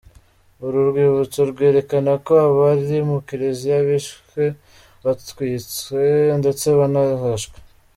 Uru rwibutso rwerekana ko abari mu kiliziya bishwe batwitswe ndetse banarashwe.